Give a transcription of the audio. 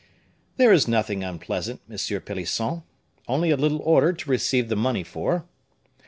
"There is nothing unpleasant, Monsieur Pelisson; only a little order to receive the money for."